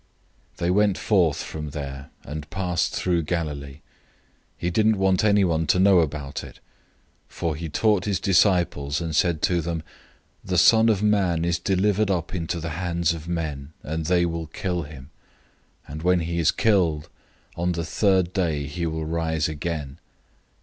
009:030 They went out from there, and passed through Galilee. He didn't want anyone to know it. 009:031 For he was teaching his disciples, and said to them, "The Son of Man is being handed over to the hands of men, and they will kill him; and when he is killed, on the third day he will rise again."